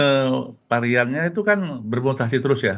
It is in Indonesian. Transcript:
subvariannya itu kan bermutasi terus ya